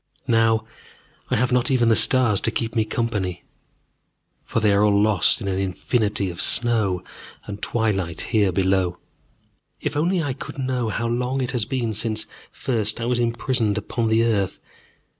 Now I have not even the stars to keep me company, for they are all lost in an infinity of snow and twilight here below. If only I could know how long it has been since first I was imprisoned upon the earth.